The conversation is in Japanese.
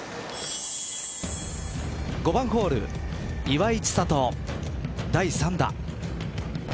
５番ホール岩井千怜第３打。